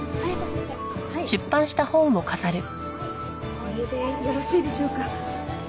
これでよろしいでしょうか？